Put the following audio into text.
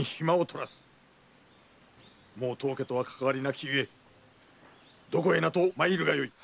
〔もう当家とはかかわりなき故どこへなと参るがよい！〕